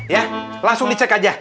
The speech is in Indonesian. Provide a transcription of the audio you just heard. ya langsung dicek aja